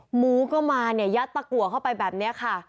หมูก็มาเนี่ยยัดตะกัวเข้าไปแบบนี้ค่ะ